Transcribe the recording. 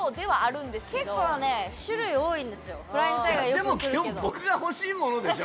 いやでも基本僕が欲しいものでしょ？